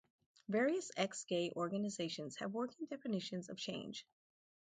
Various ex-gay organizations have working definitions of change.